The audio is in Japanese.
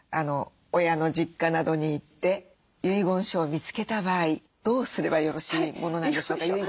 親の実家などに行って遺言書を見つけた場合どうすればよろしいものなんでしょうか。